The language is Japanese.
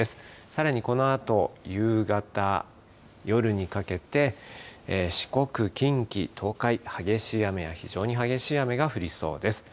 さらにこのあと、夕方、夜にかけて、四国、近畿、東海、激しい雨や非常に激しい雨が降りそうです。